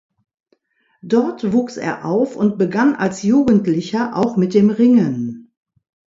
Dort wuchs er auf und begann als Jugendlicher auch mit dem Ringen.